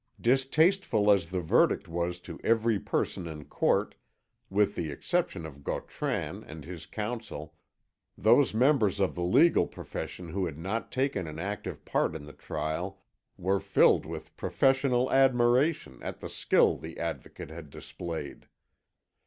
Distasteful as the verdict was to every person in court, with the exception of Gautran and his counsel, those members of the legal profession who had not taken an active part in the trial were filled with professional admiration at the skill the Advocate had displayed.